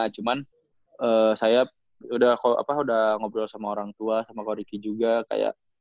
cuman saya udah ngobrol sama orangtua sama koreki juga kayak